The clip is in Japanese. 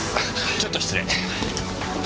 ちょっと失礼！